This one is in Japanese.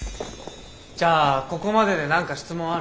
じゃあここまでで何か質問ある？